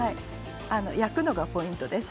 焼くのがポイントです。